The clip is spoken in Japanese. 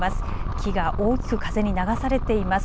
木が大きく風に流されています。